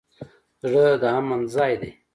زړه د امن ځای دی.